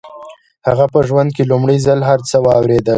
هغه په ژوند کې لومړي ځل هر څه واورېدل.